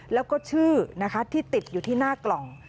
แล้วก็ชื่อนะคะที่ติดอยู่ที่หน้ากล่อง